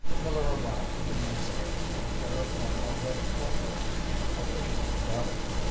Miller arrived, a few minutes later, with the air of one already cultivating an official gravity.